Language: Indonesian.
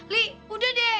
li udah deh